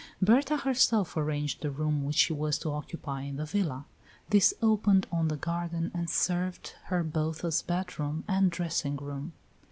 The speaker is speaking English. Berta herself arranged the room which she was to occupy in the villa. This opened on the garden and served her both as bedroom and dressing room.